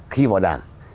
khi vào đảng